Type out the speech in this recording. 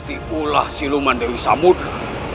keamanan dari samudera